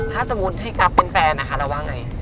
ถ้าสมมุติให้อัพเป็นแฟนนะคะเราว่าไง